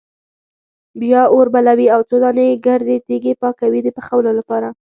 بیا اور بلوي او څو دانې ګردې تیږې پاکوي د پخولو لپاره.